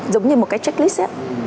giống như một cái checklist